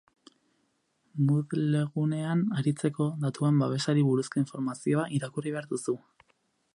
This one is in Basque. Moodlegunean aritzeko "Datuen babesari buruzko informazioa" irakurri behar duzu.